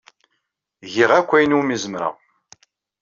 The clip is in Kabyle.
Giɣ akk ayen umi zemreɣ.